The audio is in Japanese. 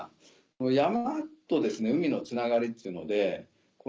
山と海のつながりっていうので。